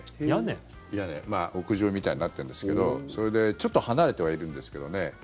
屋上みたいになってんですけどちょっと離れてはいるんですけどね。